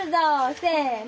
せの！